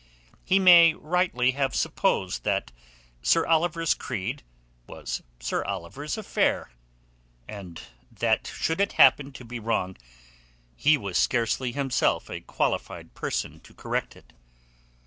He may rightly have supposed that Sir Oliver's creed was Sir Oliver's affair, and that should it happen to be wrong he was scarcely himself a qualified person to correct it.